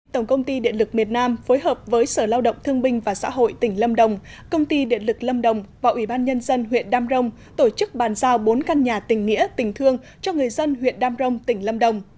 tổng công ty điện lực miền nam phối hợp với sở lao động thương binh và xã hội tỉnh lâm đồng công ty điện lực lâm đồng và ủy ban nhân dân huyện đam rồng tổ chức bàn giao bốn căn nhà tình nghĩa tỉnh thương cho người dân huyện đam rông tỉnh lâm đồng